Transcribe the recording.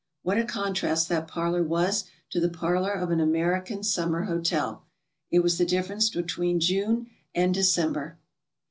What a contrast that parlor was to the parlor of an American sum mer hotel! It was the difference between June and Dece n ber.